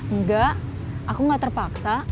enggak aku gak terpaksa